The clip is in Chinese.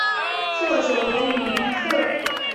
作者为李愚赫。